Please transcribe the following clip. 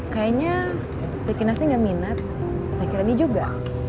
kayaknya teh kinasi gak minat teh kirani juga